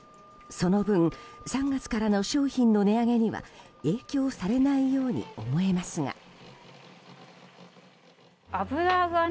その分、３月からの商品の値上げには影響されないように思えますが。